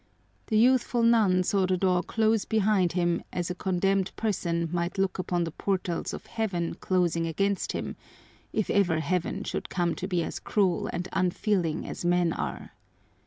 The youthful nun saw the door close behind him as a condemned person might look upon the portals of Heaven closing against him, if ever Heaven should come to be as cruel and unfeeling as men are.